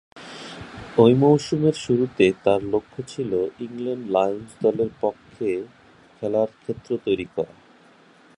ঐ মৌসুমের শুরুতে তার লক্ষ্য ছিল ইংল্যান্ড লায়ন্স দলের পক্ষে খেলার ক্ষেত্র তৈরী করা।